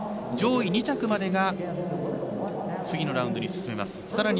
上位２着までが次のラウンドに進めます。